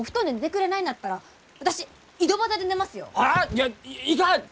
いやいかん！